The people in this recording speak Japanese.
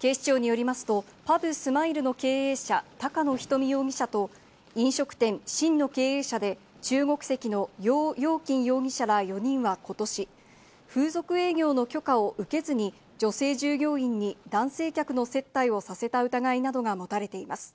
警視庁によりますとパブｓｍｉｌｅの経営者・高野ひとみ容疑者と飲食店・沁の経営者で中国籍のヨウ・ヨウキン容疑者ら４人はことし、風俗営業の許可を受けずに女性従業員に男性客の接待をさせた疑いなどが持たれています。